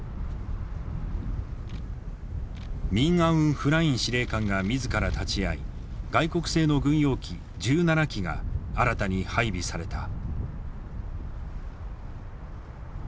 ミン・アウン・フライン司令官が自ら立ち会い外国製の軍用機１７機が新たに配備された。